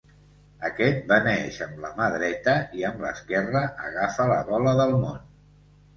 Aquest beneeix amb la mà dreta i amb l'esquerra agafa la bola del món.